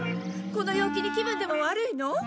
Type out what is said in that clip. この陽気に気分でも悪いの？